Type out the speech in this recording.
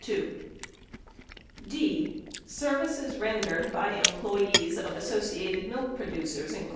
911 I). Services Rendered by Employees of Associated Milk Producers, Inc.